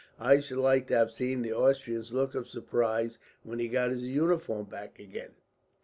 I should like to have seen the Austrian's look of surprise, when he got his uniform back again.